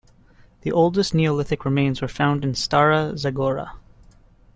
The oldest Neolithic remains were found in Stara Zagora.